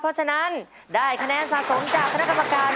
เพราะฉะนั้นได้คะแนนสะสมจากคณะกรรมการ